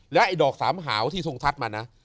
ไอ้ดอกสามหาวที่ทรงทัศน์มานะ